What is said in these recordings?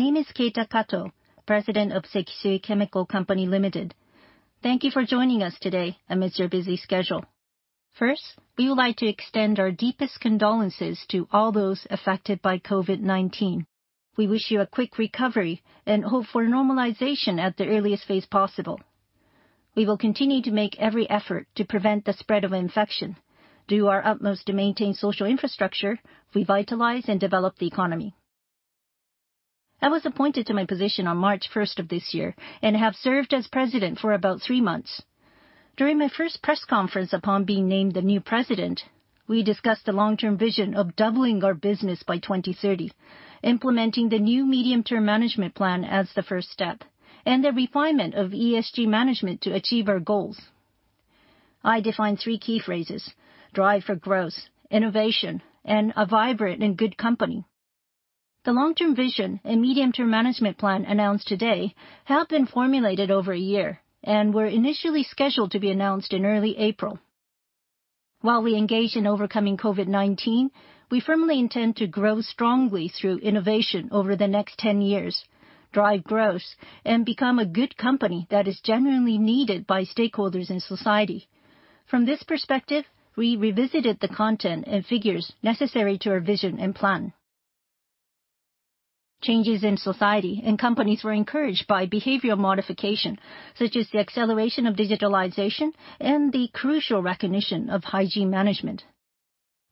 My name is Keita Kato, President of Sekisui Chemical Company Limited. Thank you for joining us today amidst your busy schedule. First, we would like to extend our deepest condolences to all those affected by COVID-19. We wish you a quick recovery and hope for normalization at the earliest phase possible. We will continue to make every effort to prevent the spread of infection, do our utmost to maintain social infrastructure, revitalize and develop the economy. I was appointed to my position on March 1st of this year, and have served as president for about three months. During my first press conference upon being named the new president, we discussed the long-term vision of doubling our business by 2030, implementing the new medium-term management plan as the first step, and the refinement of ESG management to achieve our goals. I define three key phrases: drive for growth, innovation, and a vibrant and good company. The long-term vision and medium-term management plan announced today have been formulated over a year and were initially scheduled to be announced in early April. While we engage in overcoming COVID-19, we firmly intend to grow strongly through innovation over the next 10 years, drive growth, and become a good company that is genuinely needed by stakeholders in society. From this perspective, we revisited the content and figures necessary to our vision and plan. Changes in society and companies were encouraged by behavioral modification, such as the acceleration of digitalization and the crucial recognition of hygiene management.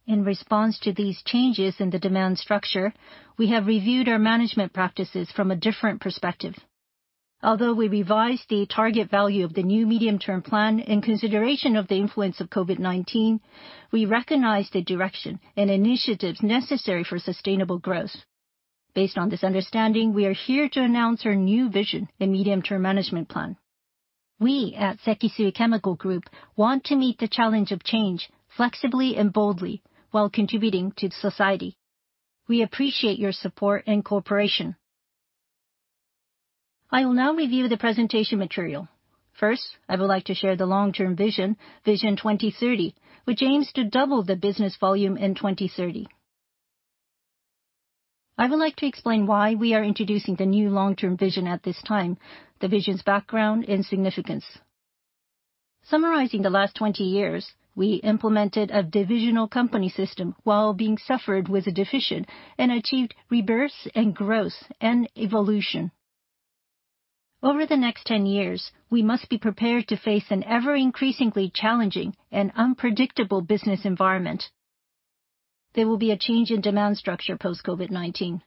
In response to these changes in the demand structure, we have reviewed our management practices from a different perspective. Although we revised the target value of the new medium-term plan in consideration of the influence of COVID-19, we recognize the direction and initiatives necessary for sustainable growth. Based on this understanding, we are here to announce our new vision and medium-term management plan. We at Sekisui Chemical Group want to meet the challenge of change flexibly and boldly while contributing to society. We appreciate your support and cooperation. I will now review the presentation material. First, I would like to share the long-term vision, Vision 2030, which aims to double the business volume in 2030. I would like to explain why we are introducing the new long-term vision at this time, the vision's background, and significance. Summarizing the last 20 years, we implemented a divisional company system while being suffered with a deficit and achieved rebirth, and growth, and evolution. Over the next 10 years, we must be prepared to face an ever-increasingly challenging and unpredictable business environment. There will be a change in demand structure post-COVID-19.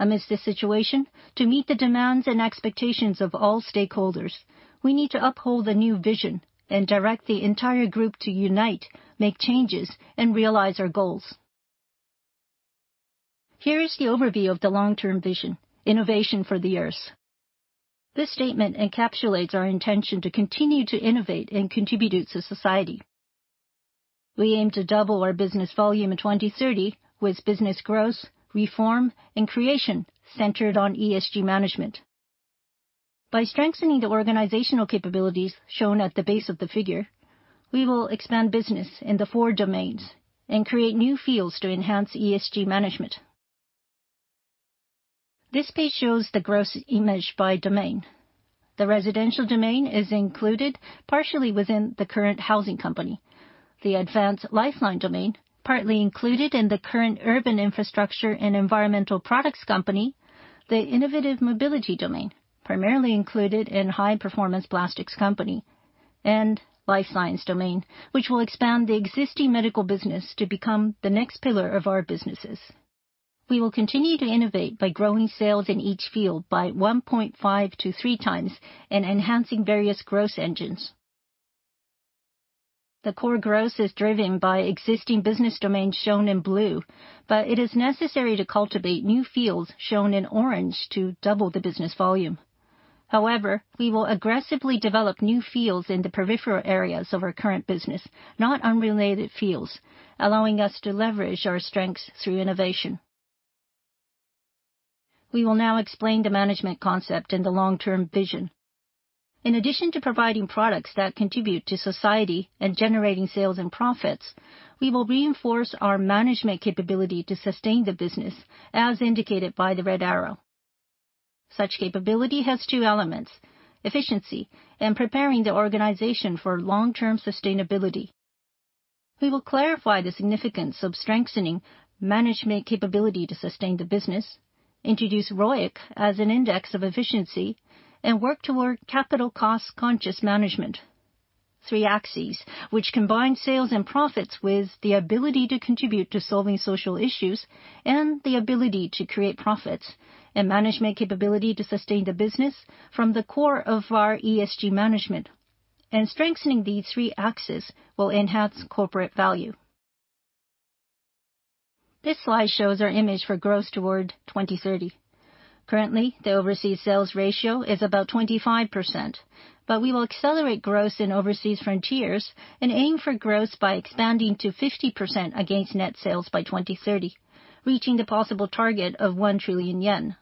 Amidst this situation, to meet the demands and expectations of all stakeholders, we need to uphold the new vision and direct the entire group to unite, make changes, and realize our goals. Here is the overview of the long-term vision, Innovation for the Earth. This statement encapsulates our intention to continue to innovate and contribute to society. We aim to double our business volume in 2030 with business growth, reform, and creation centered on ESG management. By strengthening the organizational capabilities shown at the base of the figure, we will expand business in the four domains and create new fields to enhance ESG management. This page shows the growth image by domain. The residential domain is included partially within the current Housing Company. The advanced lifeline domain, partly included in the current Urban Infrastructure & Environmental Products Company, the innovative mobility domain, primarily included in High Performance Plastics Company, and life science domain, which will expand the existing medical business to become the next pillar of our businesses. We will continue to innovate by growing sales in each field by 1.5 to three times and enhancing various growth engines. The core growth is driven by existing business domains shown in blue, but it is necessary to cultivate new fields shown in orange to double the business volume. However, we will aggressively develop new fields in the peripheral areas of our current business, not unrelated fields, allowing us to leverage our strengths through innovation. We will now explain the management concept and the long-term vision. In addition to providing products that contribute to society and generating sales and profits, we will reinforce our management capability to sustain the business, as indicated by the red arrow. Such capability has two elements: efficiency and preparing the organization for long-term sustainability. We will clarify the significance of strengthening management capability to sustain the business, introduce ROIC as an index of efficiency, and work toward capital cost-conscious management. Three axes, which combine sales and profits with the ability to contribute to solving social issues and the ability to create profits and management capability to sustain the business from the core of our ESG management. Strengthening these three axes will enhance corporate value. This slide shows our image for growth toward 2030. Currently, the overseas sales ratio is about 25%, but we will accelerate growth in overseas frontiers and aim for growth by expanding to 50% against net sales by 2030, reaching the possible target of 1 trillion yen.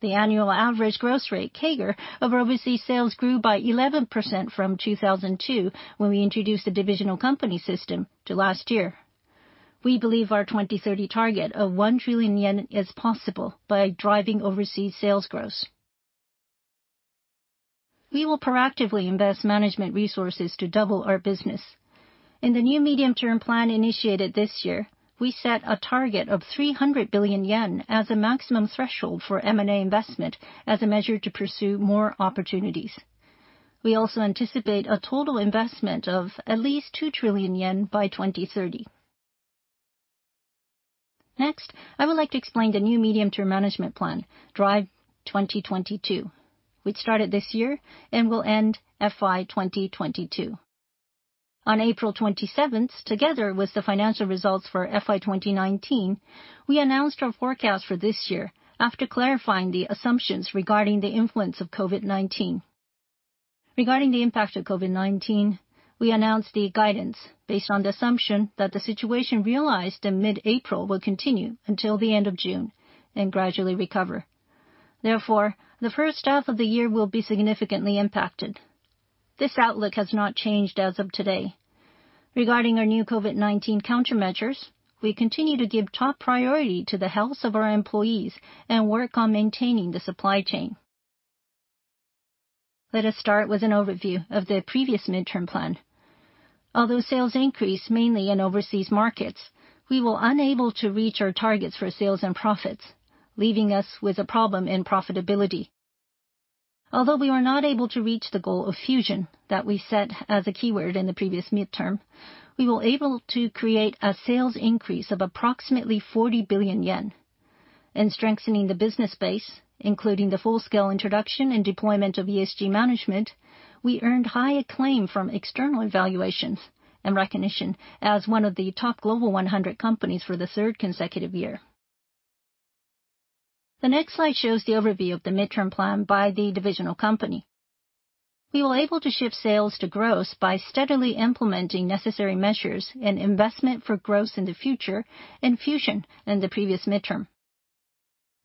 The annual average growth rate, CAGR, of overseas sales grew by 11% from 2002, when we introduced the divisional company system, to last year. We believe our 2030 target of 1 trillion yen is possible by driving overseas sales growth. We will proactively invest management resources to double our business. In the new medium-term plan initiated this year, we set a target of 300 billion yen as a maximum threshold for M&A investment as a measure to pursue more opportunities. We also anticipate a total investment of at least 2 trillion yen by 2030. Next, I would like to explain the new medium-term management plan, Drive 2022. We started this year and will end FY 2022. On April 27th, together with the financial results for FY 2019, we announced our forecast for this year after clarifying the assumptions regarding the influence of COVID-19. Regarding the impact of COVID-19, we announced the guidance based on the assumption that the situation realized in mid-April will continue until the end of June and gradually recover. Therefore, the first half of the year will be significantly impacted. This outlook has not changed as of today. Regarding our new COVID-19 countermeasures, we continue to give top priority to the health of our employees and work on maintaining the supply chain. Let us start with an overview of the previous midterm plan. Although sales increased mainly in overseas markets, we were unable to reach our targets for sales and profits, leaving us with a problem in profitability. Although we were not able to reach the goal of fusion that we set as a keyword in the previous midterm, we were able to create a sales increase of approximately 40 billion yen. In strengthening the business base, including the full-scale introduction and deployment of ESG management, we earned high acclaim from external evaluations and recognition as one of the top Global 100 companies for the third consecutive year. The next slide shows the overview of the midterm plan by the divisional company. We were able to shift sales to growth by steadily implementing necessary measures and investment for growth in the future and fusion in the previous midterm.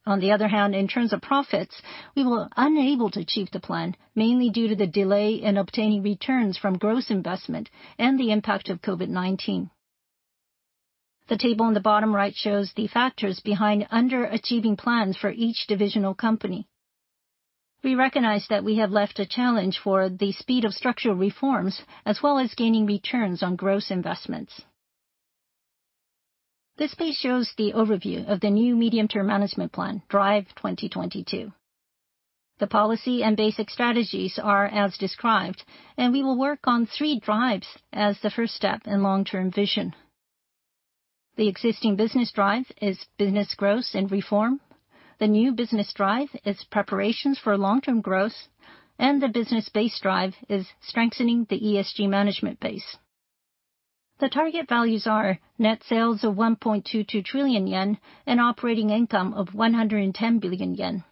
In terms of profits, we were unable to achieve the plan, mainly due to the delay in obtaining returns from growth investment and the impact of COVID-19. The table on the bottom right shows the factors behind underachieving plans for each divisional company. We recognize that we have left a challenge for the speed of structural reforms, as well as gaining returns on growth investments. This page shows the overview of the new medium-term management plan, Drive 2022. The policy and basic strategies are as described, and we will work on three drives as the first step in long-term vision. The existing business drive is business growth and reform. The new business drive is preparations for long-term growth, and the business base drive is strengthening the ESG management base. The target values are net sales of 1.22 trillion yen, and operating income of 110 billion yen.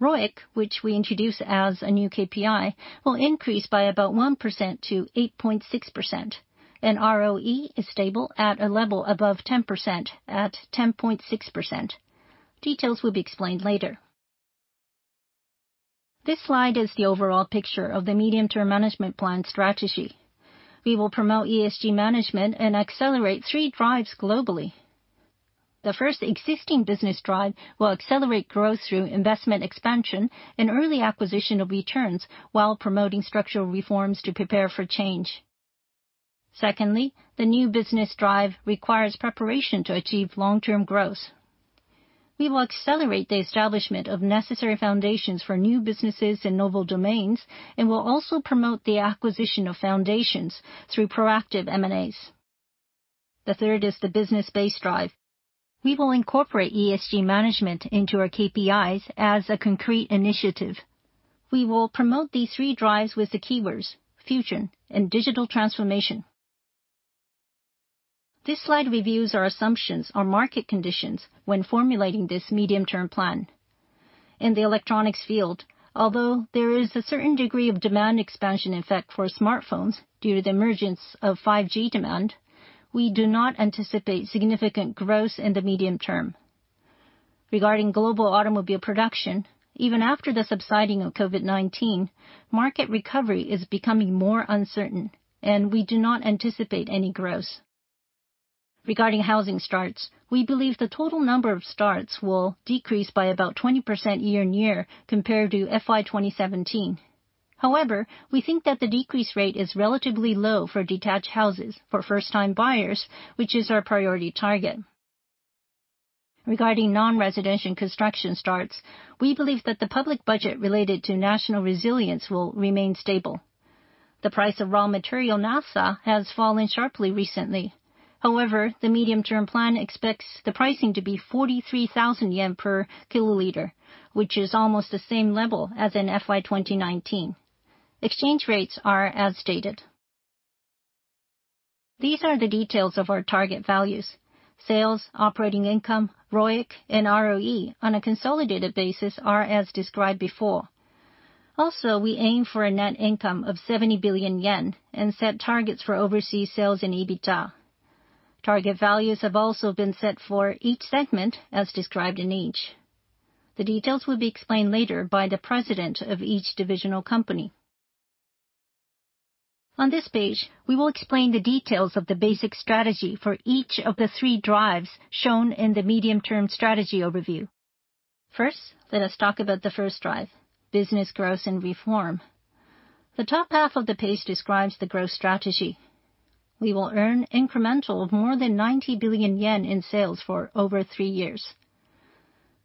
ROIC, which we introduce as a new KPI, will increase by about 1% to 8.6%, and ROE is stable at a level above 10% at 10.6%. Details will be explained later. This slide is the overall picture of the medium-term management plan strategy. We will promote ESG management and accelerate three drives globally. The first existing business drive will accelerate growth through investment expansion and early acquisition of returns while promoting structural reforms to prepare for change. The new business drive requires preparation to achieve long-term growth. We will accelerate the establishment of necessary foundations for new businesses in novel domains and will also promote the acquisition of foundations through proactive M&As. The third is the business-base drive. We will incorporate ESG management into our KPIs as a concrete initiative. We will promote these three drives with the keywords fusion and digital transformation. This slide reviews our assumptions on market conditions when formulating this medium-term plan. In the electronics field, although there is a certain degree of demand expansion effect for smartphones due to the emergence of 5G demand, we do not anticipate significant growth in the medium term. Regarding global automobile production, even after the subsiding of COVID-19, market recovery is becoming more uncertain, and we do not anticipate any growth. Regarding housing starts, we believe the total number of starts will decrease by about 20% year-on-year compared to FY 2017. However, we think that the decrease rate is relatively low for detached houses for first-time buyers, which is our priority target. Regarding non-residential construction starts, we believe that the public budget related to national resilience will remain stable. The price of raw material naphtha has fallen sharply recently. However, the medium-term plan expects the pricing to be 43,000 yen per kiloliter, which is almost the same level as in FY 2019. Exchange rates are as stated. These are the details of our target values. Sales, operating income, ROIC, and ROE on a consolidated basis are as described before. We aim for a net income of 70 billion yen and set targets for overseas sales and EBITDA. Target values have also been set for each segment, as described in each. The details will be explained later by the president of each divisional company. On this page, we will explain the details of the basic strategy for each of the three drives shown in the medium-term strategy overview. First, let us talk about the first drive, business growth and reform. The top half of the page describes the growth strategy. We will earn incremental of more than 90 billion yen in sales for over three years.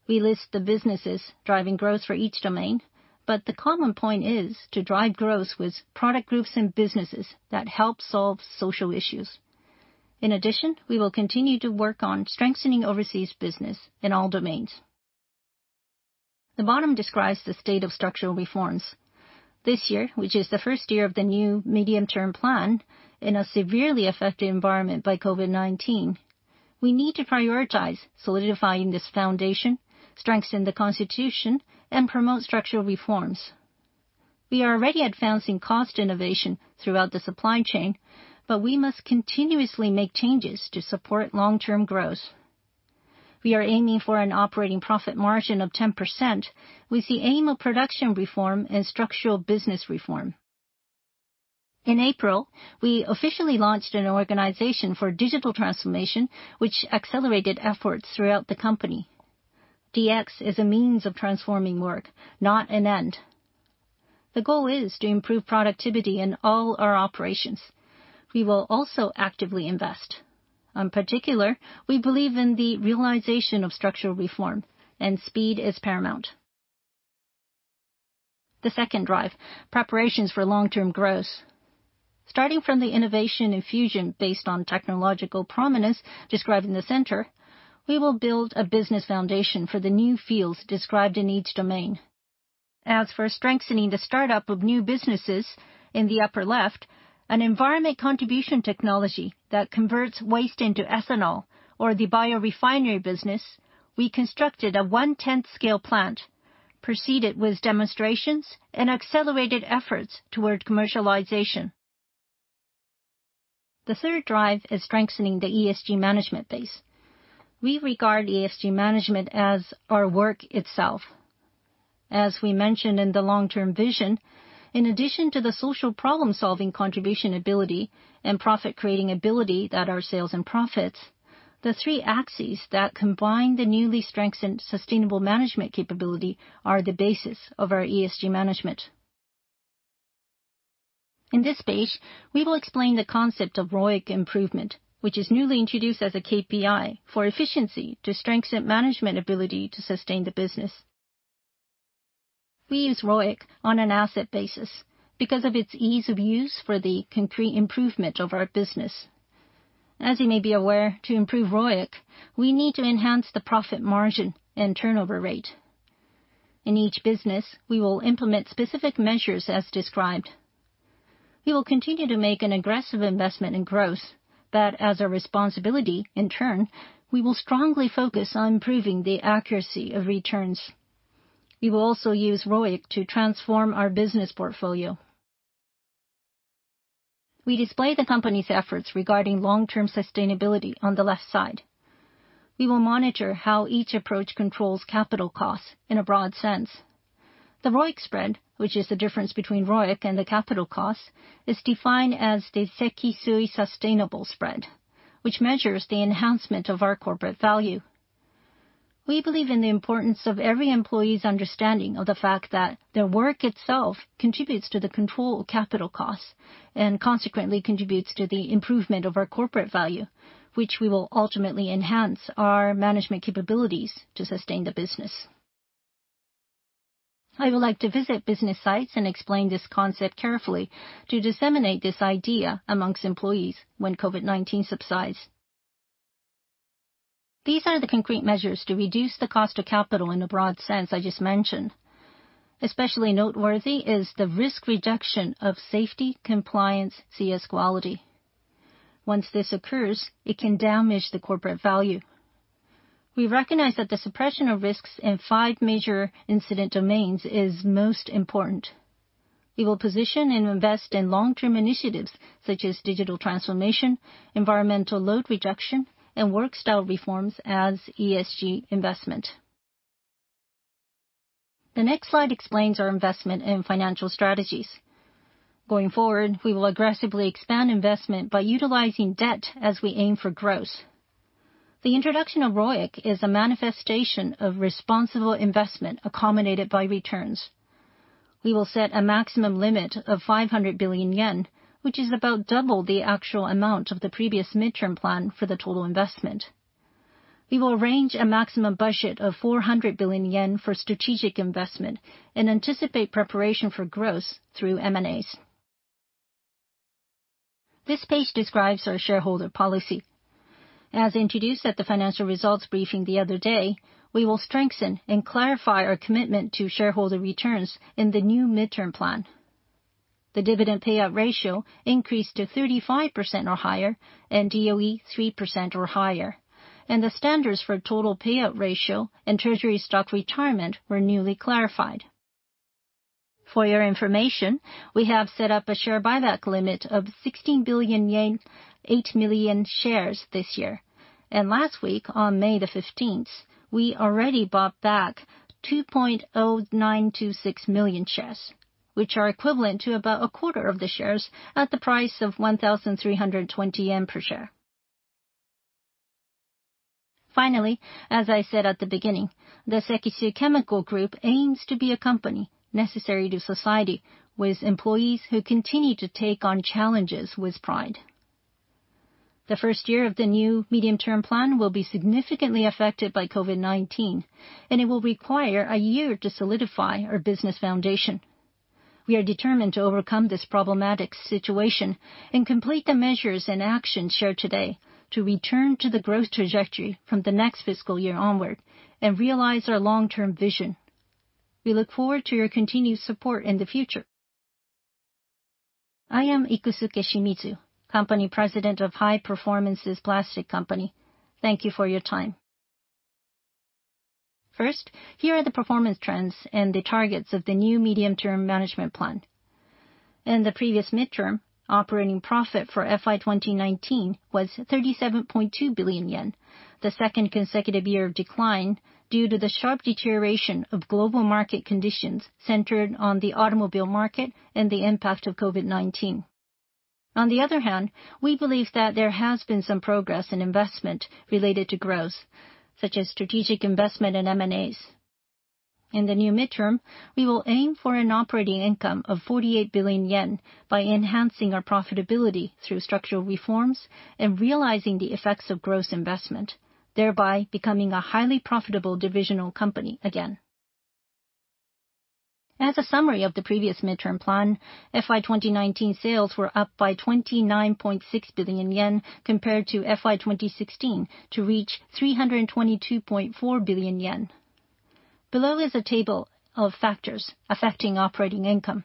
We list the businesses driving growth for each domain. The common point is to drive growth with product groups and businesses that help solve social issues. We will continue to work on strengthening overseas business in all domains. The bottom describes the state of structural reforms. This year, which is the first year of the new medium-term plan, in a severely affected environment by COVID-19, we need to prioritize solidifying this foundation, strengthen the constitution, and promote structural reforms. We are already advancing cost innovation throughout the supply chain. We must continuously make changes to support long-term growth. We are aiming for an operating profit margin of 10% with the aim of production reform and structural business reform. In April, we officially launched an organization for digital transformation, which accelerated efforts throughout the company. DX is a means of transforming work, not an end. The goal is to improve productivity in all our operations. We will also actively invest. In particular, we believe in the realization of structural reform, and speed is paramount. The second Drive, preparations for long-term growth. Starting from the innovation and fusion based on technological prominence described in the center, we will build a business foundation for the new fields described in each domain. As for strengthening the startup of new businesses in the upper left, an environment contribution technology that converts waste into ethanol or the biorefinery business, we constructed a one-tenth-scale plant, proceeded with demonstrations, and accelerated efforts toward commercialization. The third Drive is strengthening the ESG management base. We regard ESG management as our work itself. As we mentioned in the Long-Term Vision, in addition to the social problem-solving contribution ability and profit-creating ability that are sales and profits, the three axes that combine the newly strengthened sustainable management capability are the basis of our ESG management. In this page, we will explain the concept of ROIC improvement, which is newly introduced as a KPI for efficiency to strengthen management ability to sustain the business. We use ROIC on an asset basis because of its ease of use for the concrete improvement of our business. As you may be aware, to improve ROIC, we need to enhance the profit margin and turnover rate. In each business, we will implement specific measures, as described. We will continue to make an aggressive investment in growth, but as our responsibility, in turn, we will strongly focus on improving the accuracy of returns. We will also use ROIC to transform our business portfolio. We display the company's efforts regarding long-term sustainability on the left side. We will monitor how each approach controls capital costs in a broad sense. The ROIC spread, which is the difference between ROIC and the capital costs, is defined as the Sekisui Sustainable Spread, which measures the enhancement of our corporate value. We believe in the importance of every employee's understanding of the fact that their work itself contributes to the control of capital costs and consequently contributes to the improvement of our corporate value, which will ultimately enhance our management capabilities to sustain the business. I would like to visit business sites and explain this concept carefully to disseminate this idea amongst employees when COVID-19 subsides. These are the concrete measures to reduce the cost of capital in a broad sense I just mentioned. Especially noteworthy is the risk reduction of safety, compliance, CS quality. Once this occurs, it can damage the corporate value. We recognize that the suppression of risks in five major incident domains is most important. We will position and invest in long-term initiatives such as digital transformation, environmental load reduction, and work style reforms as ESG investment. The next slide explains our investment and financial strategies. We will aggressively expand investment by utilizing debt as we aim for growth. The introduction of ROIC is a manifestation of responsible investment accommodated by returns. We will set a maximum limit of 500 billion yen, which is about double the actual amount of the previous mid-term plan for the total investment. We will arrange a maximum budget of 400 billion yen for strategic investment and anticipate preparation for growth through M&As. This page describes our shareholder policy. As introduced at the financial results briefing the other day, we will strengthen and clarify our commitment to shareholder returns in the new mid-term plan. The dividend payout ratio increased to 35% or higher and DOE 3% or higher, and the standards for total payout ratio and treasury stock retirement were newly clarified. For your information, we have set up a share buyback limit of 16 billion yen, 8 million shares this year. Last week, on May 15th, we already bought back 2.0926 million shares, which are equivalent to about a quarter of the shares at the price of 1,320 yen per share. Finally, as I said at the beginning, the Sekisui Chemical Group aims to be a company necessary to society with employees who continue to take on challenges with pride. The first year of the new medium-term plan will be significantly affected by COVID-19, it will require a year to solidify our business foundation. We are determined to overcome this problematic situation and complete the measures and actions shared today to return to the growth trajectory from the next fiscal year onward and realize our long-term vision. We look forward to your continued support in the future. I am Ikusuke Shimizu, Company President of High Performance Plastics Company. Thank you for your time. First, here are the performance trends and the targets of the new medium-term management plan. In the previous mid-term, operating profit for FY 2019 was 37.2 billion yen, the second consecutive year of decline due to the sharp deterioration of global market conditions centered on the automobile market and the impact of COVID-19. On the other hand, we believe that there has been some progress in investment related to growth, such as strategic investment in M&As. In the new mid-term, we will aim for an operating income of 48 billion yen by enhancing our profitability through structural reforms and realizing the effects of growth investment, thereby becoming a highly profitable divisional company again. As a summary of the previous mid-term plan, FY 2019 sales were up by 29.6 billion yen compared to FY 2016 to reach 322.4 billion yen. Below is a table of factors affecting operating income.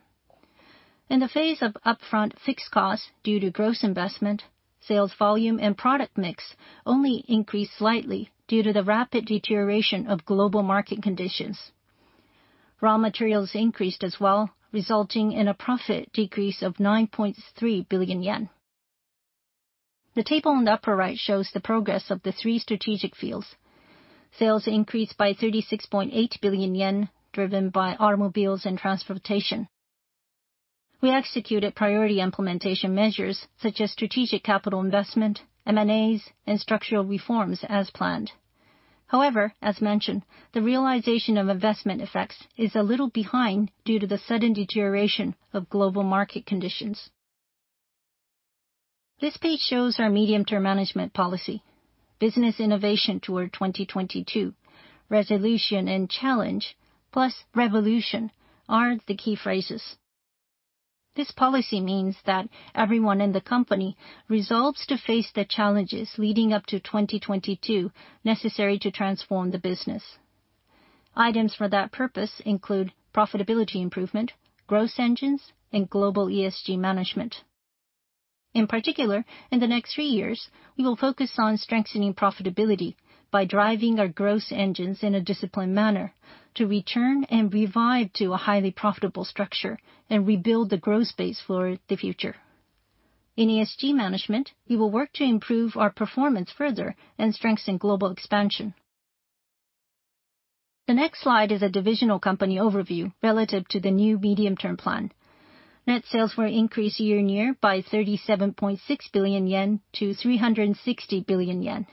In the phase of upfront fixed costs due to growth investment, sales volume and product mix only increased slightly due to the rapid deterioration of global market conditions. Raw materials increased as well, resulting in a profit decrease of 9.3 billion yen. The table on the upper right shows the progress of the three strategic fields. Sales increased by 36.8 billion yen, driven by automobiles and transportation. We executed priority implementation measures such as strategic capital investment, M&As, and structural reforms as planned. As mentioned, the realization of investment effects is a little behind due to the sudden deterioration of global market conditions. This page shows our medium-term management policy, business innovation toward 2022. Resolution and challenge plus revolution are the key phrases. This policy means that everyone in the company resolves to face the challenges leading up to 2022 necessary to transform the business. Items for that purpose include profitability improvement, growth engines, and global ESG management. In particular, in the next three years, we will focus on strengthening profitability by driving our growth engines in a disciplined manner to return and revive to a highly profitable structure and rebuild the growth base for the future. In ESG management, we will work to improve our performance further and strengthen global expansion. The next slide is a divisional company overview relative to the new medium-term plan. Net sales will increase year-over-year by 37.6 billion yen to 360 billion yen.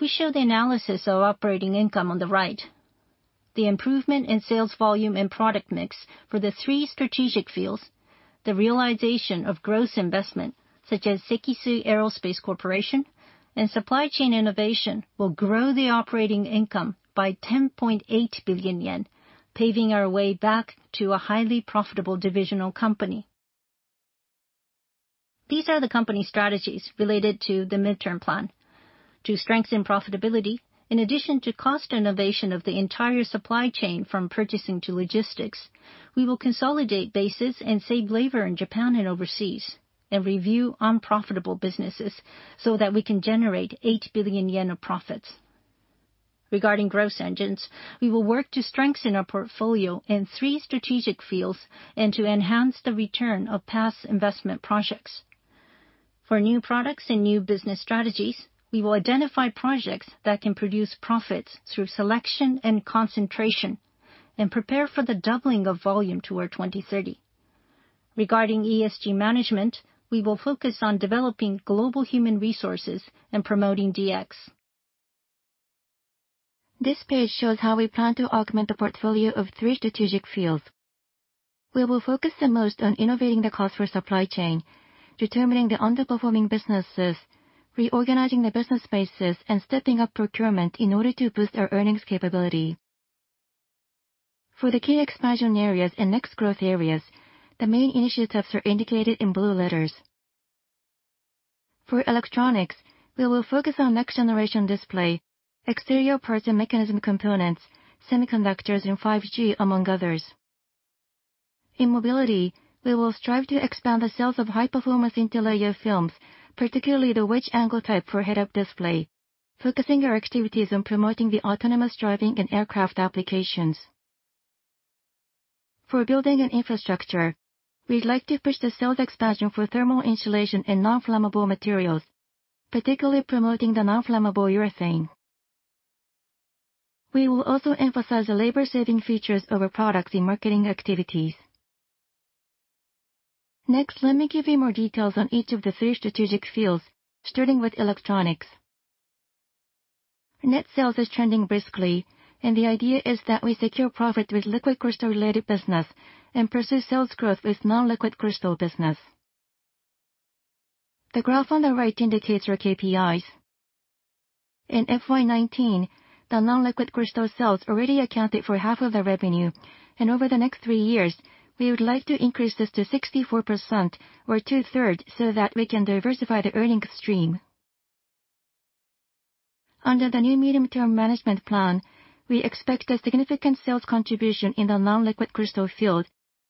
We show the analysis of operating income on the right. The improvement in sales volume and product mix for the three strategic fields, the realization of growth investment such as Sekisui Aerospace Corp., and supply chain innovation will grow the operating income by 10.8 billion yen, paving our way back to a highly profitable divisional company. These are the company strategies related to the mid-term plan. To strengthen profitability, in addition to cost innovation of the entire supply chain from purchasing to logistics, we will consolidate bases and save labor in Japan and overseas, and review unprofitable businesses so that we can generate 8 billion yen of profits. Regarding growth engines, we will work to strengthen our portfolio in three strategic fields and to enhance the return of past investment projects. For new products and new business strategies, we will identify projects that can produce profits through selection and concentration and prepare for the doubling of volume toward 2030. Regarding ESG management, we will focus on developing global human resources and promoting DX. This page shows how we plan to augment the portfolio of three strategic fields. We will focus the most on innovating the cost for supply chain, determining the underperforming businesses, reorganizing the business bases, and stepping up procurement in order to boost our earnings capability. For the key expansion areas and next growth areas, the main initiatives are indicated in blue letters. For electronics, we will focus on next-generation display, exterior parts and mechanism components, semiconductors, and 5G, among others. In mobility, we will strive to expand the sales of high-performance interlayer films, particularly the wide-angle type for head-up display, focusing our activities on promoting the autonomous driving and aircraft applications. For building and infrastructure, we'd like to push the sales expansion for thermal insulation and non-flammable materials, particularly promoting the non-flammable urethane. We will also emphasize the labor-saving features of our products in marketing activities. Let me give you more details on each of the three strategic fields, starting with electronics. Net sales is trending briskly, and the idea is that we secure profit with liquid crystal-related business and pursue sales growth with non-liquid crystal business. The graph on the right indicates our KPIs. In FY 2019, the non-liquid crystal sales already accounted for half of the revenue, and over the next three years, we would like to increase this to 64% or 2/3, so that we can diversify the earning stream. Under the new medium-term management plan, we expect a significant sales contribution in the non-liquid crystal field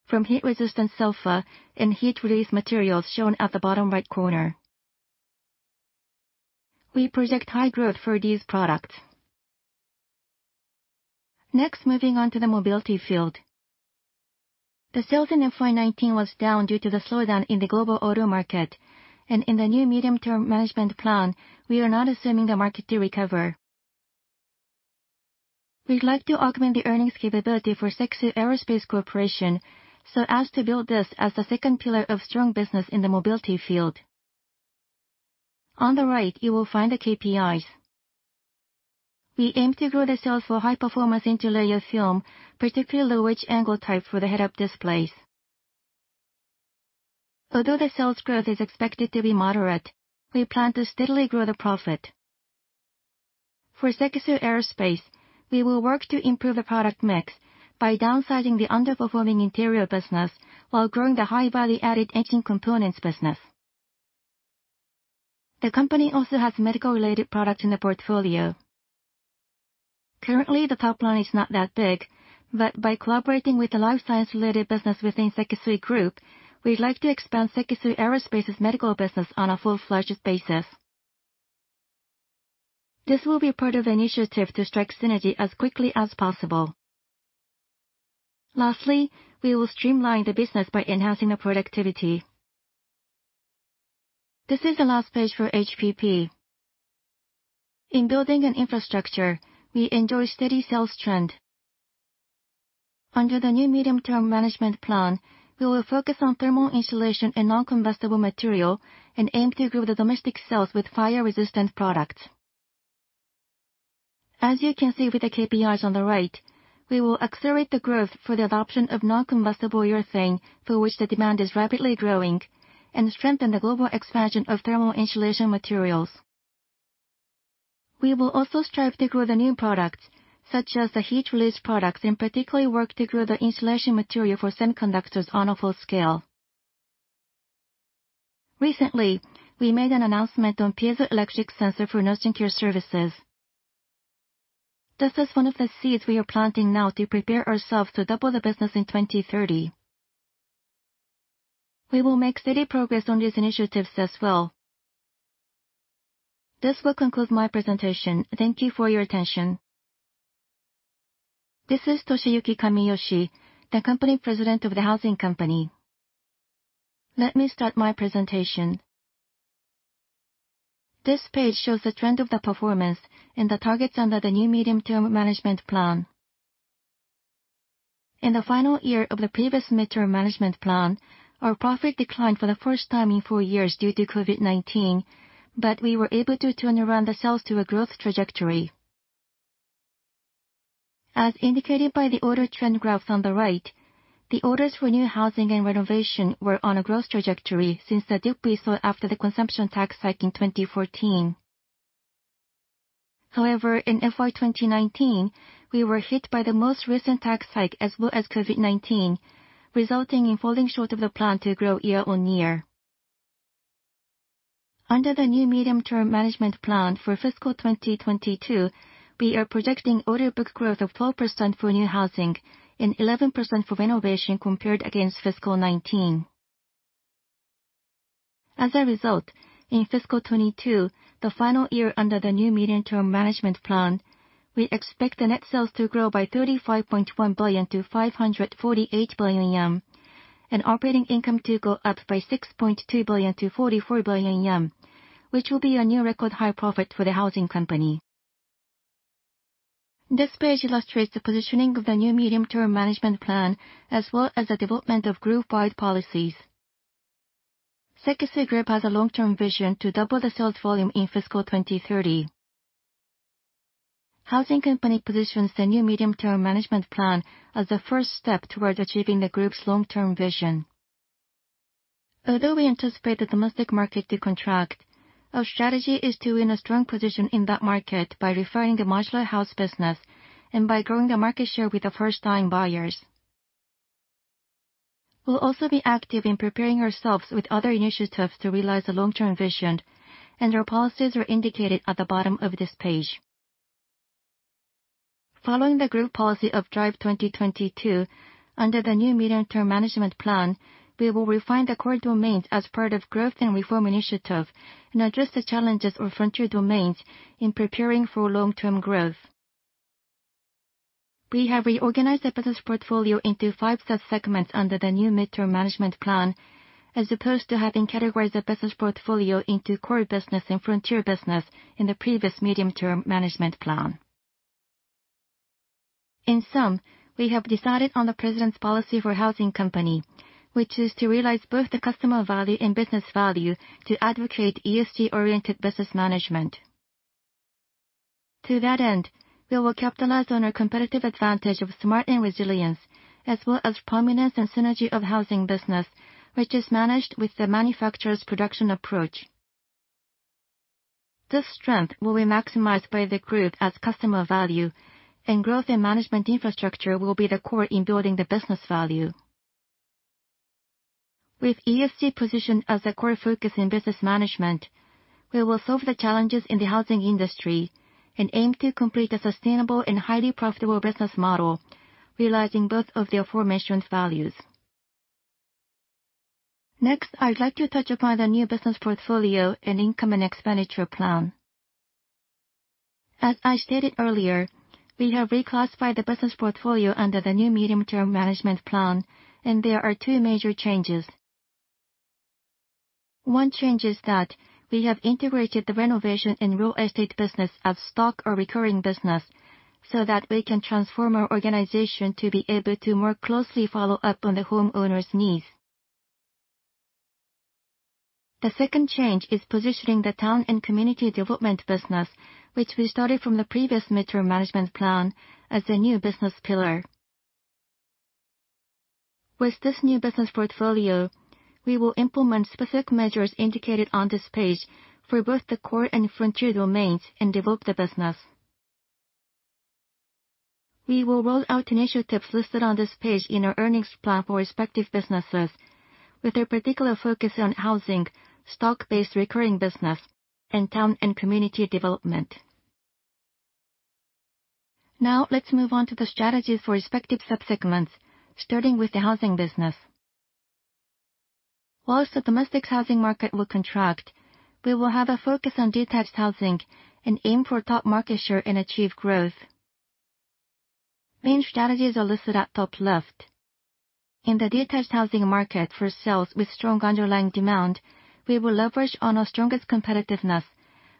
from heat-resistant resin and heat release materials shown at the bottom right corner. We project high growth for these products. Moving on to the mobility field. The sales in FY 2019 was down due to the slowdown in the global auto market. In the new medium-term management plan, we are not assuming the market to recover. We'd like to augment the earnings capability for Sekisui Aerospace Corporation, so as to build this as the second pillar of strong business in the mobility field. On the right, you will find the KPIs. We aim to grow the sales for high-performance interlayer film, particularly the wide-angle type for the head-up displays. Although the sales growth is expected to be moderate, we plan to steadily grow the profit. For Sekisui Aerospace, we will work to improve the product mix by downsizing the underperforming interior business while growing the high-value-added engine components business. The company also has medical-related products in the portfolio. Currently, the top line is not that big. By collaborating with the life science related business within Sekisui Group, we'd like to expand Sekisui Aerospace's medical business on a full-fledged basis. This will be part of the initiative to strike synergy as quickly as possible. Lastly, we will streamline the business by enhancing the productivity. This is the last page for HPP. In building an infrastructure, we enjoy steady sales trend. Under the new medium-term management plan, we will focus on thermal insulation and non-combustible material. Aim to grow the domestic sales with fire-resistant products. As you can see with the KPIs on the right, we will accelerate the growth for the adoption of non-combustible urethane, for which the demand is rapidly growing. Strengthen the global expansion of thermal insulation materials. We will also strive to grow the new products, such as the heat release products, and particularly work to grow the insulation material for semiconductors on a full scale. Recently, we made an announcement on piezoelectric sensor for nursing care services. This is one of the seeds we are planting now to prepare ourselves to double the business in 2030. We will make steady progress on these initiatives as well. This will conclude my presentation. Thank you for your attention. This is Toshiyuki Kamiyoshi, the Company President of the Housing Company. Let me start my presentation. This page shows the trend of the performance and the targets under the new medium-term management plan. In the final year of the previous mid-term management plan, our profit declined for the first time in four years due to COVID-19. We were able to turn around the sales to a growth trajectory. As indicated by the order trend growth on the right, the orders for new housing and renovation were on a growth trajectory since the dip we saw after the consumption tax hike in 2014. However, in FY 2019, we were hit by the most recent tax hike as well as COVID-19, resulting in falling short of the plan to grow year-on-year. Under the new medium-term management plan for FY 2022, we are projecting order book growth of 12% for new housing and 11% for renovation compared against FY 2019. As a result, in FY 2022, the final year under the new medium-term management plan, we expect the net sales to grow by 35.1 billion to 548 billion yen, and operating income to go up by 6.2 billion to 44 billion yen, which will be a new record high profit for the Housing Company. This page illustrates the positioning of the new medium-term management plan, as well as the development of group-wide policies. Sekisui Group has a long-term vision to double the sales volume in fiscal 2030. Housing Company positions the new medium-term management plan as a first step towards achieving the group's long-term vision. Although we anticipate the domestic market to contract, our strategy is to win a strong position in that market by refining the modular house business and by growing the market share with the first time buyers. We'll also be active in preparing ourselves with other initiatives to realize the long-term vision, and our policies are indicated at the bottom of this page. Following the group policy of Drive 2022 under the new medium-term management plan, we will refine the core domains as part of growth and reform initiative and address the challenges of frontier domains in preparing for long-term growth. We have reorganized the business portfolio into five sub-segments under the new mid-term management plan, as opposed to having categorized the business portfolio into core business and frontier business in the previous medium-term management plan. In sum, we have decided on the president's policy for Housing Company. We choose to realize both the customer value and business value to advocate ESG-oriented business management. To that end, we will capitalize on our competitive advantage of smart and resilience, as well as prominence and synergy of housing business, which is managed with the manufacturer's production approach. This strength will be maximized by the group as customer value and growth in management infrastructure will be the core in building the business value. With ESG position as the core focus in business management, we will solve the challenges in the housing industry and aim to complete a sustainable and highly profitable business model, realizing both of the aforementioned values. Next, I would like to touch upon the new business portfolio and income and expenditure plan. As I stated earlier, we have reclassified the business portfolio under the new medium-term management plan, and there are two major changes. One change is that we have integrated the renovation and real estate business of stock or recurring business so that we can transform our organization to be able to more closely follow up on the homeowner's needs. The second change is positioning the town and community development business, which we started from the previous medium-term management plan as a new business pillar. With this new business portfolio, we will implement specific measures indicated on this page for both the core and frontier domains and develop the business. We will roll out initiatives listed on this page in our earnings plan for respective businesses, with a particular focus on housing, stock-based recurring business, and town and community development. Now, let's move on to the strategies for respective subsegments, starting with the housing business. Whilst the domestic housing market will contract, we will have a focus on detached housing and aim for top market share and achieve growth. Main strategies are listed at top left. In the detached housing market for sales with strong underlying demand, we will leverage on our strongest competitiveness,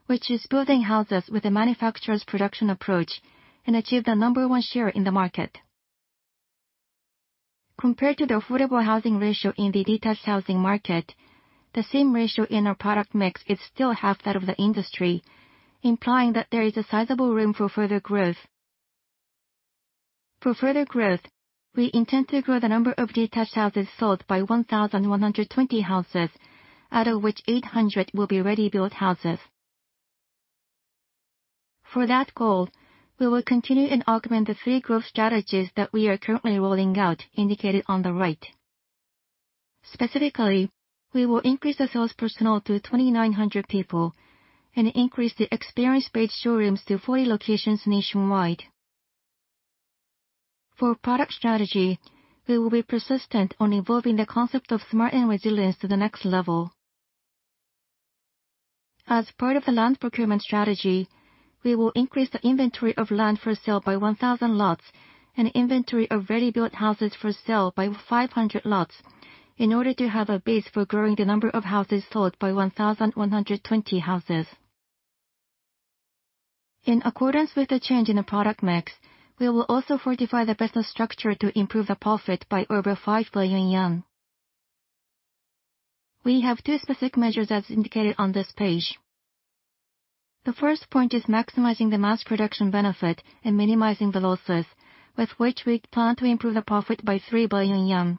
which is building houses with a manufacturer's production approach and achieve the number one share in the market. Compared to the affordable housing ratio in the detached housing market, the same ratio in our product mix is still half that of the industry, implying that there is a sizable room for further growth. For further growth, we intend to grow the number of detached houses sold by 1,120 houses, out of which 800 will be ready-built houses. For that goal, we will continue and augment the three growth strategies that we are currently rolling out, indicated on the right. Specifically, we will increase the sales personnel to 2,900 people and increase the experience-based showrooms to 40 locations nationwide. For product strategy, we will be persistent on evolving the concept of smart and resilience to the next level. As part of the land procurement strategy, we will increase the inventory of land for sale by 1,000 lots and inventory of ready-built houses for sale by 500 lots in order to have a base for growing the number of houses sold by 1,120 houses. In accordance with the change in the product mix, we will also fortify the business structure to improve the profit by over 5 billion yen. We have two specific measures as indicated on this page. The first point is maximizing the mass production benefit and minimizing the losses, with which we plan to improve the profit by 3 billion yen.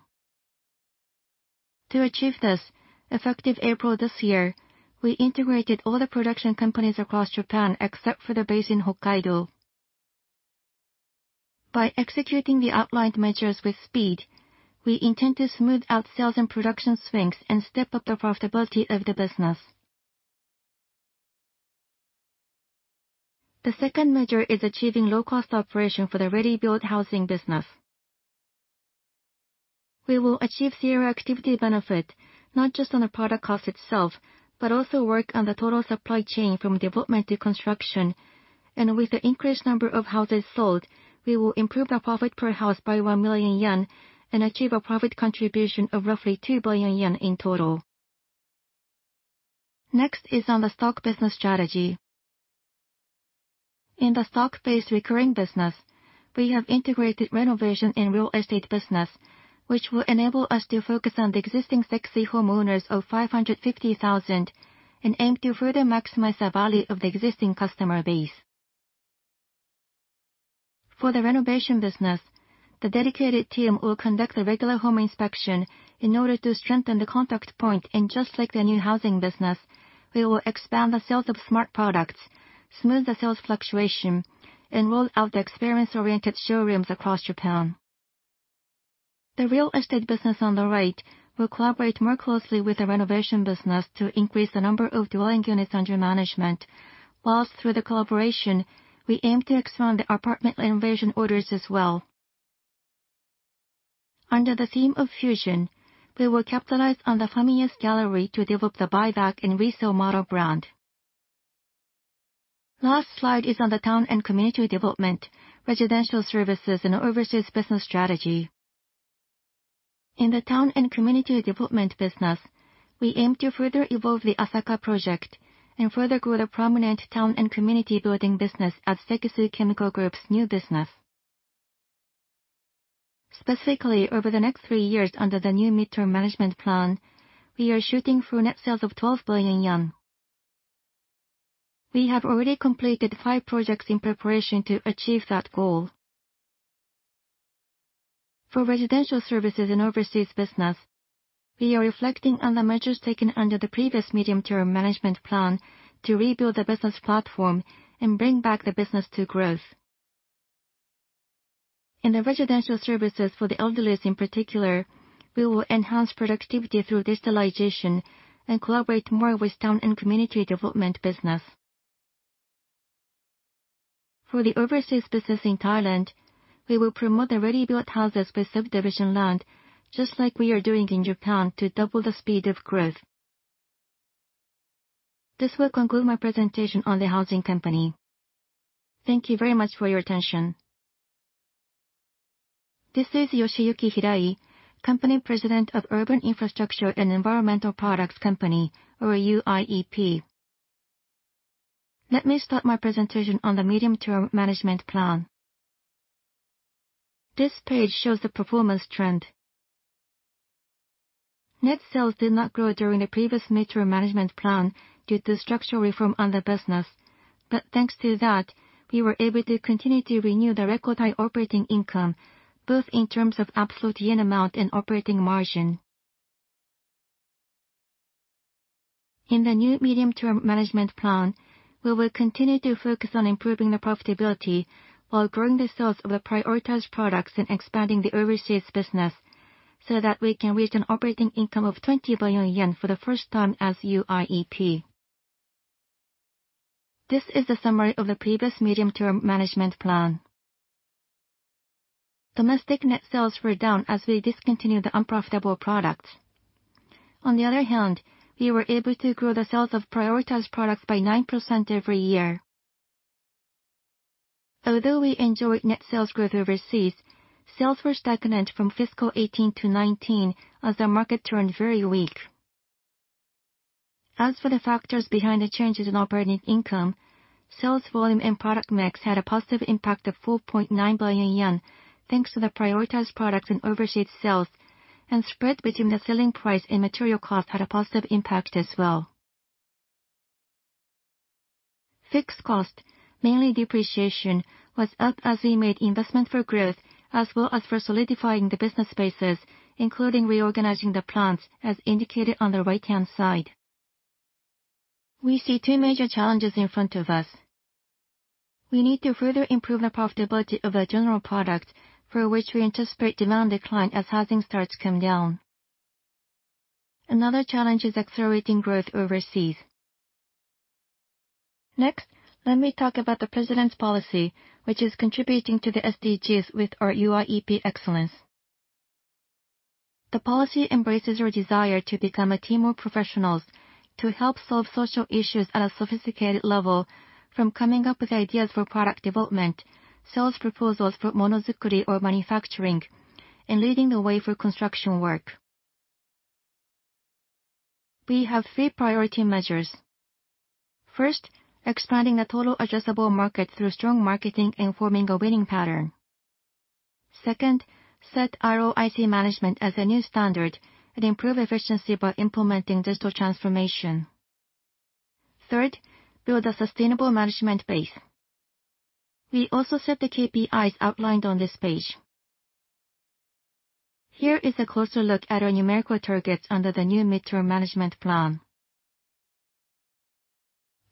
To achieve this, effective April this year, we integrated all the production companies across Japan, except for the base in Hokkaido. By executing the outlined measures with speed, we intend to smooth out sales and production swings and step up the profitability of the business. The second measure is achieving low-cost operation for the ready-built housing business. We will achieve zero activity benefit, not just on the product cost itself, but also work on the total supply chain from development to construction. With the increased number of houses sold, we will improve our profit per house by 1 million yen and achieve a profit contribution of roughly 2 billion yen in total. Next is on the stock business strategy. In the stock-based recurring business, we have integrated renovation and real estate business, which will enable us to focus on the existing Sekisui homeowners of 550,000 and aim to further maximize the value of the existing customer base. For the renovation business, the dedicated team will conduct a regular home inspection in order to strengthen the contact point and just like the new housing business, we will expand the sales of smart products, smooth the sales fluctuation and roll out the experience-oriented showrooms across Japan. The real estate business on the right will collaborate more closely with the renovation business to increase the number of dwelling units under management, whilst through the collaboration, we aim to expand the apartment renovation orders as well. Under the theme of fusion, we will capitalize on the Fami-S Gallery to develop the buyback and resale model brand. Last slide is on the town and community development, residential services, and overseas business strategy. In the town and community development business, we aim to further evolve the Asaka Project and further grow the prominent town and community building business at Sekisui Chemical Group's new business. Specifically, over the next three years under the new midterm management plan, we are shooting for net sales of 12 billion yen. We have already completed five projects in preparation to achieve that goal. For residential services and overseas business, we are reflecting on the measures taken under the previous medium-term management plan to rebuild the business platform and bring back the business to growth. In the residential services for the elderly in particular, we will enhance productivity through digitalization and collaborate more with town and community development business. For the overseas business in Thailand, we will promote the ready-built houses with subdivision land, just like we are doing in Japan, to double the speed of growth. This will conclude my presentation on the Housing Company. Thank you very much for your attention. This is Yoshiyuki Hirai, Company President of Urban Infrastructure & Environmental Products Company, or UIEP. Let me start my presentation on the medium-term management plan. This page shows the performance trend. Net sales did not grow during the previous midterm management plan due to structural reform on the business. Thanks to that, we were able to continue to renew the record high operating income, both in terms of absolute year amount and operating margin. In the new medium-term management plan, we will continue to focus on improving the profitability while growing the sales of the prioritized products and expanding the overseas business, so that we can reach an operating income of 20 billion yen for the first time as UIEP. This is the summary of the previous medium-term management plan. Domestic net sales were down as we discontinued the unprofitable products. On the other hand, we were able to grow the sales of prioritized products by 9% every year. Although we enjoyed net sales growth overseas, sales were stagnant from fiscal 2018 to 2019 as the market turned very weak. As for the factors behind the changes in operating income, sales volume and product mix had a positive impact of 4.9 billion yen, thanks to the prioritized products and overseas sales. Spread between the selling price and material cost had a positive impact as well. Fixed cost, mainly depreciation, was up as we made investment for growth as well as for solidifying the business spaces, including reorganizing the plants as indicated on the right-hand side. We see two major challenges in front of us. We need to further improve the profitability of the general product for which we anticipate demand decline as housing starts come down. Another challenge is accelerating growth overseas. Let me talk about the president's policy, which is contributing to the SDGs with our UIEP excellence. The policy embraces your desire to become a team of professionals to help solve social issues at a sophisticated level, from coming up with ideas for product development, sales proposals for monozukuri or manufacturing, and leading the way for construction work. We have three priority measures. First, expanding the total addressable market through strong marketing and forming a winning pattern. Second, set ROIC management as a new standard and improve efficiency by implementing digital transformation. Third, build a sustainable management base. We also set the KPIs outlined on this page. Here is a closer look at our numerical targets under the new mid-term management plan.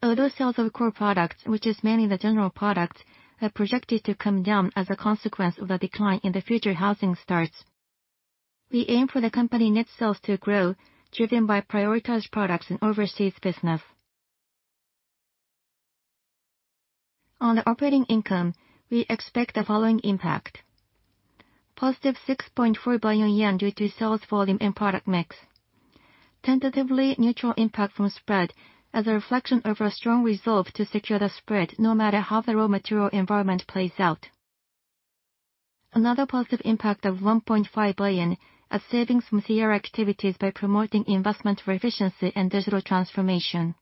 Although sales of core products, which is mainly the general products, are projected to come down as a consequence of a decline in the future housing starts, we aim for the company net sales to grow driven by prioritized products and overseas business. On the operating income, we expect the following impact. Positive 6.4 billion yen due to sales volume and product mix. Tentatively neutral impact from spread as a reflection of a strong resolve to secure the spread, no matter how the raw material environment plays out. Another positive impact of 1.5 billion at savings from zero activities by promoting investment for efficiency and digital transformation.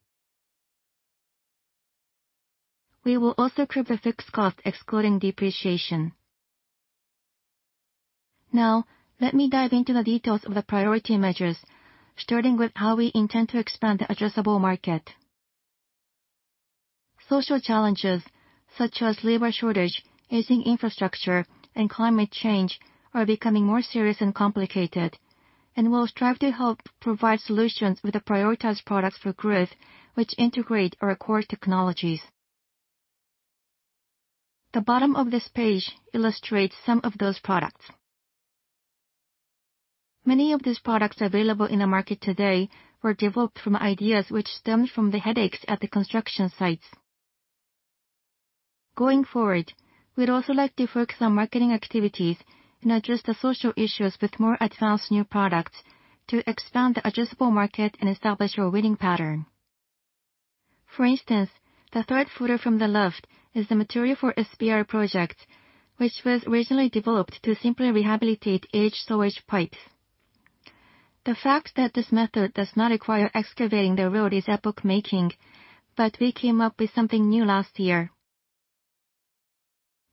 We will also curb the fixed cost, excluding depreciation. Now, let me dive into the details of the priority measures, starting with how we intend to expand the addressable market. Social challenges such as labor shortage, aging infrastructure, and climate change are becoming more serious and complicated, and we'll strive to help provide solutions with the prioritized products for growth, which integrate our core technologies. The bottom of this page illustrates some of those products. Many of these products available in the market today were developed from ideas which stemmed from the headaches at the construction sites. Going forward, we'd also like to focus on marketing activities and address the social issues with more advanced new products to expand the addressable market and establish our winning pattern. For instance, the third photo from the left is the material for SPR projects, which was originally developed to simply rehabilitate aged sewage pipes. The fact that this method does not require excavating the road is epoch-making. We came up with something new last year.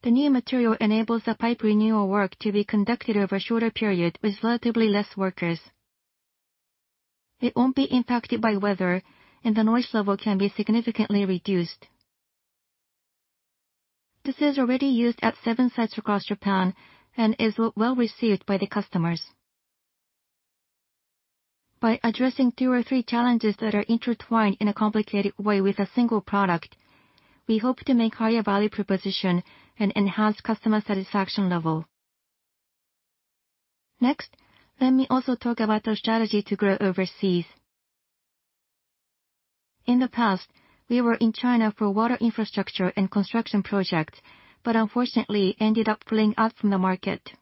The new material enables the pipe renewal work to be conducted over a shorter period with relatively less workers. It won't be impacted by weather. The noise level can be significantly reduced. This is already used at seven sites across Japan. It is well received by the customers. By addressing two or three challenges that are intertwined in a complicated way with a single product, we hope to make higher value proposition and enhance customer satisfaction level. Next, let me also talk about our strategy to grow overseas. In the past, we were in China for water infrastructure and construction projects, but unfortunately ended up pulling out from the market.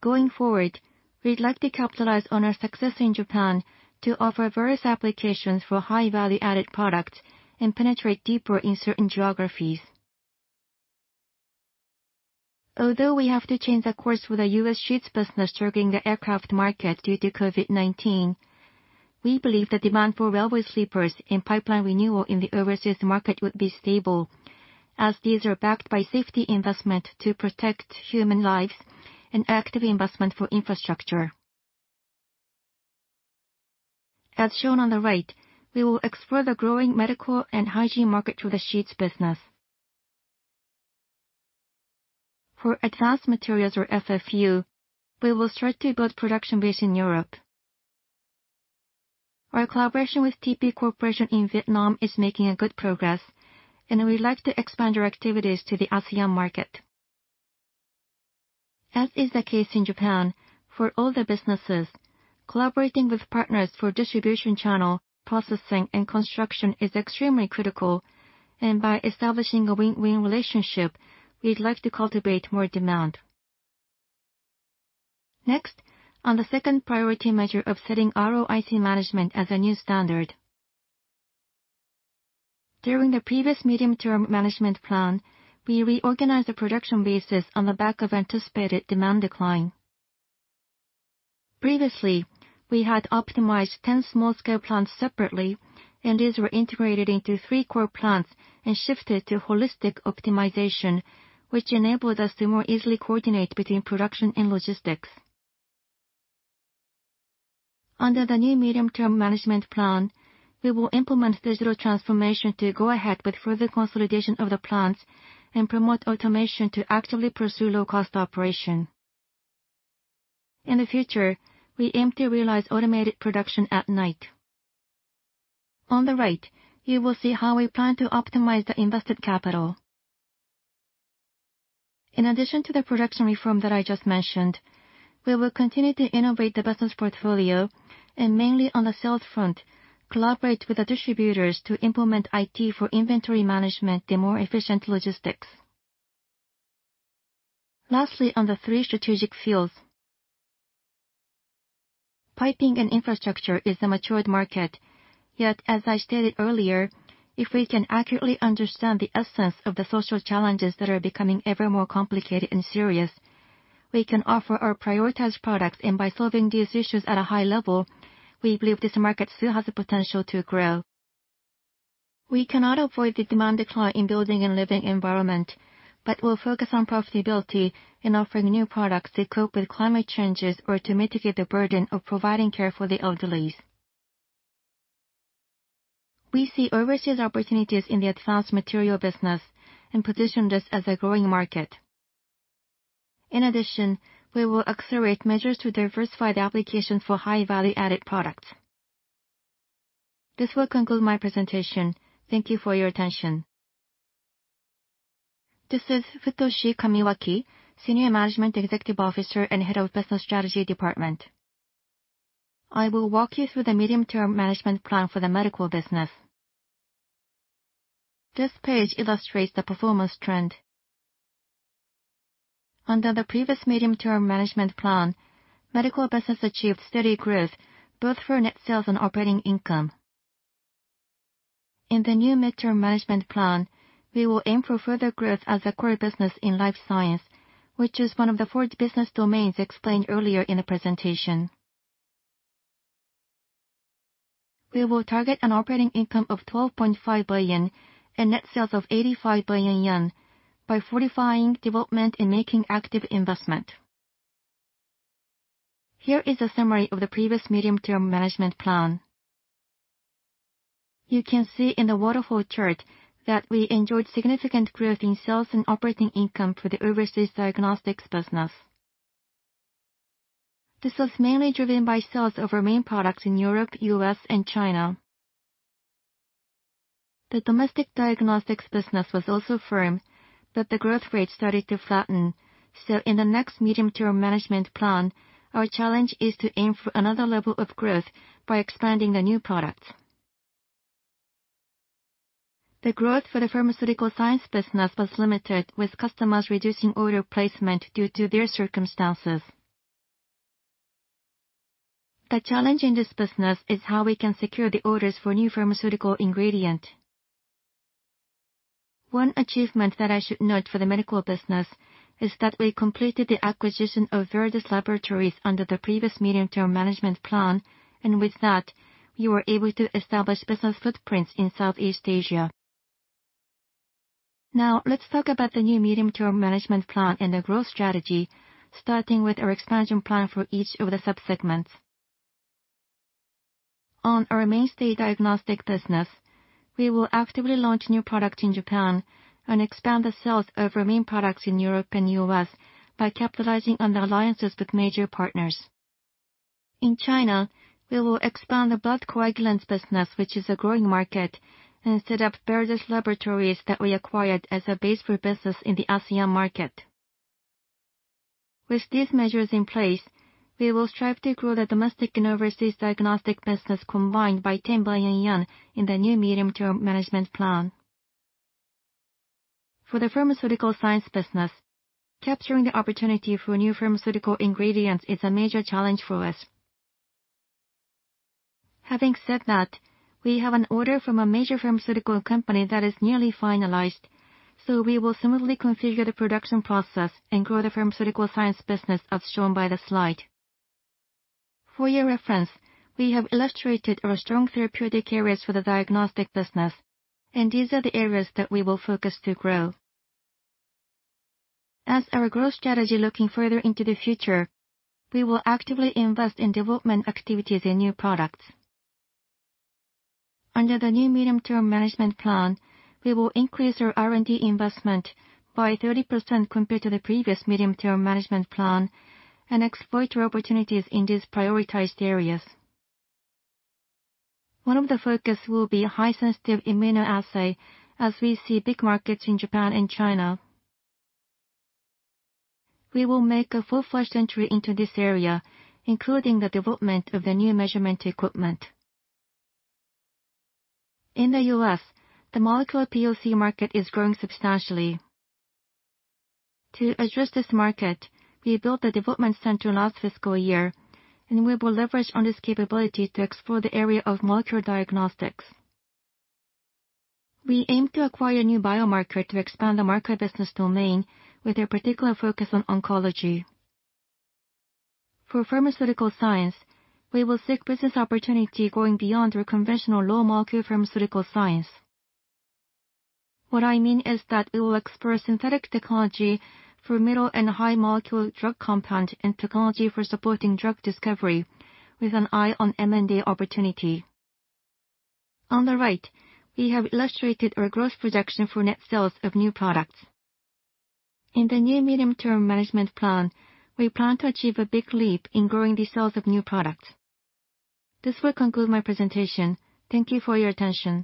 Going forward, we'd like to capitalize on our success in Japan to offer various applications for high value-added products and penetrate deeper in certain geographies. Although we have to change the course with our U.S. sheets business serving the aircraft market due to COVID-19, we believe the demand for railway sleepers and pipeline renewal in the overseas market would be stable, as these are backed by safety investment to protect human lives and active investment for infrastructure. As shown on the right, we will explore the growing medical and hygiene market through the sheets business. For advanced materials or FFU, we will start to build production base in Europe. Our collaboration with TP Corporation in Vietnam is making good progress, and we'd like to expand our activities to the ASEAN market. As is the case in Japan, for all the businesses, collaborating with partners for distribution channel, processing, and construction is extremely critical, and by establishing a win-win relationship, we'd like to cultivate more demand. Next, on the second priority measure of setting ROIC management as a new standard. During the previous medium-term management plan, we reorganized the production bases on the back of anticipated demand decline. Previously, we had optimized 10 small-scale plants separately, and these were integrated into three core plants and shifted to holistic optimization, which enabled us to more easily coordinate between production and logistics. Under the new medium-term management plan, we will implement digital transformation to go ahead with further consolidation of the plants and promote automation to actively pursue low-cost operation. In the future, we aim to realize automated production at night. On the right, you will see how we plan to optimize the invested capital. In addition to the production reform that I just mentioned, we will continue to innovate the business portfolio and mainly on the sales front, collaborate with the distributors to implement IT for inventory management and more efficient logistics. Lastly, on the three strategic fields. Piping and infrastructure is a matured market. As I stated earlier, if we can accurately understand the essence of the social challenges that are becoming ever more complicated and serious, we can offer our prioritized products. By solving these issues at a high level, we believe this market still has the potential to grow. We cannot avoid the demand decline in building and living environment, but we'll focus on profitability in offering new products to cope with climate changes or to mitigate the burden of providing care for the elderly. We see overseas opportunities in the advanced material business and position this as a growing market. In addition, we will accelerate measures to diversify the application for high value-added products. This will conclude my presentation. Thank you for your attention. This is Futoshi Kamiwaki, Senior Managing Executive Officer and Head of Business Strategy Department. I will walk you through the medium-term management plan for the medical business. This page illustrates the performance trend. Under the previous medium-term management plan, medical business achieved steady growth both for net sales and operating income. In the new medium-term management plan, we will aim for further growth as a core business in life science, which is one of the four business domains explained earlier in the presentation. We will target an operating income of 12.5 billion and net sales of 85 billion yen by fortifying development and making active investment. Here is a summary of the previous medium-term management plan. You can see in the waterfall chart that we enjoyed significant growth in sales and operating income for the overseas diagnostics business. This was mainly driven by sales of our main products in Europe, U.S., and China. The domestic diagnostics business was also firm, but the growth rate started to flatten. In the next medium-term management plan, our challenge is to aim for another level of growth by expanding the new products. The growth for the pharmaceutical science business was limited with customers reducing order placement due to their circumstances. The challenge in this business is how we can secure the orders for new pharmaceutical ingredient. One achievement that I should note for the medical business is that we completed the acquisition of Veredus Laboratories under the previous medium-term management plan, and with that, we were able to establish business footprints in Southeast Asia. Let's talk about the new medium-term management plan and the growth strategy, starting with our expansion plan for each of the sub-segments. On our mainstay diagnostic business, we will actively launch new product in Japan and expand the sales of our main products in Europe and U.S. by capitalizing on the alliances with major partners. In China, we will expand the blood coagulants business, which is a growing market, and set up Veredus Laboratories that we acquired as a base for business in the ASEAN market. With these measures in place, we will strive to grow the domestic and overseas diagnostic business combined by 10 billion yen in the new medium-term management plan. For the pharmaceutical science business, capturing the opportunity for new pharmaceutical ingredients is a major challenge for us. Having said that, we have an order from a major pharmaceutical company that is nearly finalized. We will smoothly configure the production process and grow the pharmaceutical science business as shown by the slide. For your reference, we have illustrated our strong therapeutic areas for the diagnostic business, and these are the areas that we will focus to grow. As our growth strategy looking further into the future, we will actively invest in development activities in new products. Under the new medium-term management plan, we will increase our R&D investment by 30% compared to the previous medium-term management plan and exploit our opportunities in these prioritized areas. One of the focus will be high sensitive immunoassay, as we see big markets in Japan and China. We will make a full-fledged entry into this area, including the development of the new measurement equipment. In the U.S., the molecular POC market is growing substantially. To address this market, we built a development center last fiscal year, and we will leverage on this capability to explore the area of molecular diagnostics. We aim to acquire new biomarker to expand the market business domain with a particular focus on oncology. For pharmaceutical science, we will seek business opportunity going beyond our conventional low-molecule pharmaceutical science. What I mean is that we will explore synthetic technology for middle and high molecule drug compound and technology for supporting drug discovery with an eye on M&A opportunity. On the right, we have illustrated our growth projection for net sales of new products. In the new medium-term management plan, we plan to achieve a big leap in growing the sales of new products. This will conclude my presentation. Thank you for your attention.